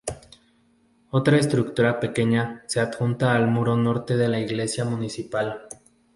Otra estructura, pequeña, se adjunta al muro norte de la iglesia principal.